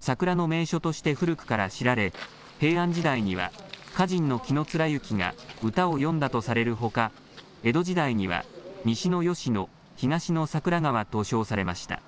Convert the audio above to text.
桜の名所として古くから知られ平安時代には歌人の紀貫之が歌を詠んだとされるほか江戸時代には西の吉野、東の桜川と称されました。